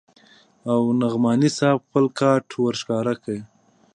او نعماني صاحب خپل کارت ورښکاره کړ.